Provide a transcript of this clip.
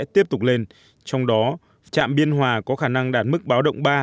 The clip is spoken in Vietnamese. trong đó trạm biên hòa có khả năng đạt mức báo động ba